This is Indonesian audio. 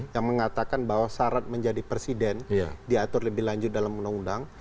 yang mengatakan bahwa syarat menjadi presiden diatur lebih lanjut dalam undang undang